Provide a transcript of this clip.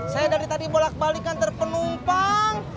saya dari tadi bolak balikan terpenumpang